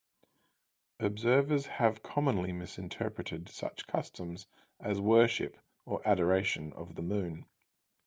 Observers have commonly misinterpreted such customs as worship or adoration of the moon.